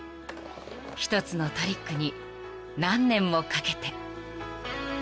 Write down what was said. ［一つのトリックに何年もかけて］